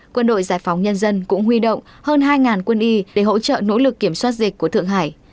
quân đội giải phóng nhân dân cũng huy động hơn hai quân y để hỗ trợ nỗ lực kiểm soát dịch của thượng hải